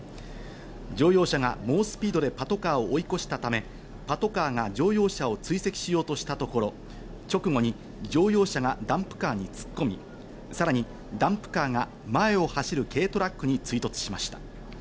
乗用車が猛スピードでパトカーを追い越したため、パトカーが乗用車を追跡しようとしたところ、直後に乗用車がダンプカーに突っ込み、さらにダンプカーが前を走る軽トラックに追突しました。